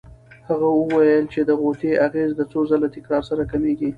هغه وویل چې د غوطې اغېز د څو ځله تکرار سره کمېږي.